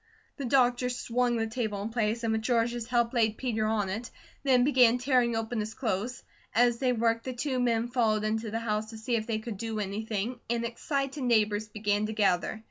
The doctor swung the table in place, and with George's help laid Peter on it, then began tearing open his clothes. As they worked the two men followed into the house to see if they could do anything and excited neighbours began to gather.